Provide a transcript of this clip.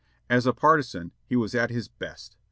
As a partisan he was at his best.